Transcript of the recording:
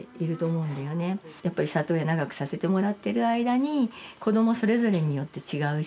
やっぱり里親長くさせてもらってる間に子どもそれぞれによって違うし。